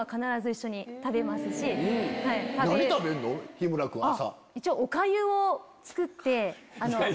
日村君朝。